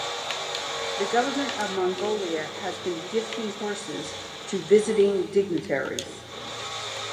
The government of Mongolia has been gifting horses to visiting dignitaries.